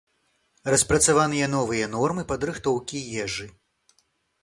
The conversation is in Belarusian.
Распрацаваныя новыя нормы падрыхтоўкі ежы.